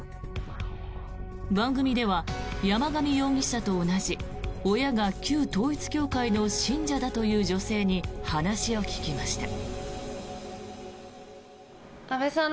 番組では山上容疑者と同じ親が旧統一教会の信者だという女性に話を聞きました。